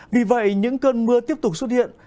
vì vậy những cơn mưa tiếp tục xuất hiện